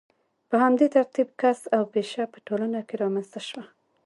په همدې ترتیب کسب او پیشه په ټولنه کې رامنځته شوه.